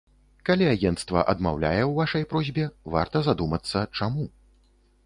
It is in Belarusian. Калі агенцтва адмаўляе ў вашай просьбе, варта задумацца, чаму.